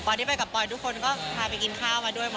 พ่อนี้ไปกับปอยทุกคนก็พาไปกินข้าวมาด้วยหมดแล้ว